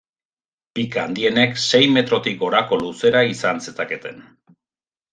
Pika handienek, sei metrotik gorako luzera izan zezaketen.